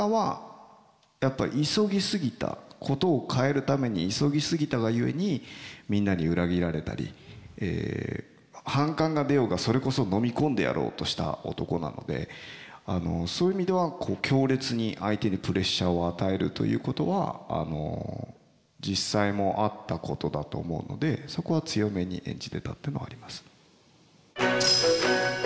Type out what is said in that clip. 事を変えるために急ぎすぎたがゆえにみんなに裏切られたり反感が出ようがそれこそのみ込んでやろうとした男なのでそういう意味では強烈に相手にプレッシャーを与えるということは実際もあったことだと思うのでそこは強めに演じてたっていうのはあります。